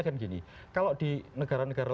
kan gini kalau di negara negara